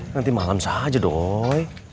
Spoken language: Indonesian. nanti malam saja doi